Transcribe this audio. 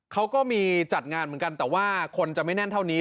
เขาก็มีจัดงานเหมือนกันแต่ว่าคนจะไม่แน่นเท่านี้